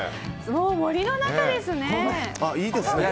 もう森の中ですね！